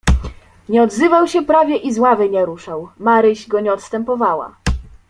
"Nie odzywał się prawie i z ławy nie ruszał, Maryś go nie odstępowała."